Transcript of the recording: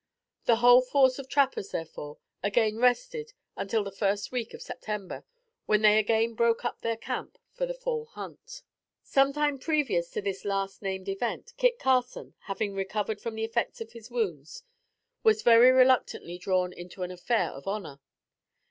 The whole force of trappers, therefore, again rested until the first week of September; when, they again broke up their camp for the fall hunt. Some time previous to this last named event Kit Carson, having recovered from the effects of his wounds, was very reluctantly drawn into an "affair of honor."